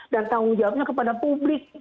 dan tanggung jawabnya kepada publik